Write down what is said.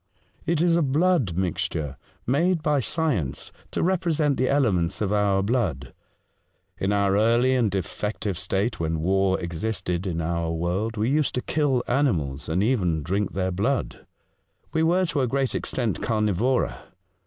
"It is a blood mixture, made by science to represent the elements of our blood. In our early and defective state, when war existed in our world, we used to kill animals, and even drink their blood. We were to a great extent carnivora.